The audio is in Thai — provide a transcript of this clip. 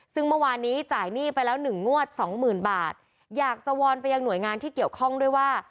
ซึ่งเมื่อวานนี้จ่ายหนี้ไปแล้วหนึ่งงวดสองหมื่นบาทอยากจะวอนไปยังหน่วยงานที่เกี่ยวข้องด้วยว่า